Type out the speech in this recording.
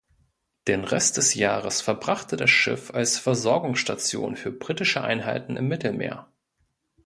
Den Rest des Jahres verbrachte das Schiff als Versorgungsstation für britische Einheiten im Mittelmeer.